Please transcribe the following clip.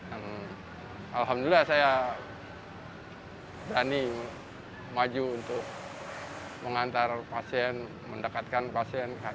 alhamdulillah saya berani maju untuk mengantar pasien mendekatkan pasien